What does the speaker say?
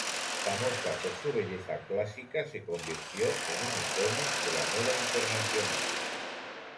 Famosa por su belleza clásica, se convirtió en un icono de la moda internacional.